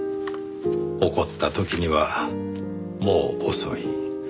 起こった時にはもう遅い。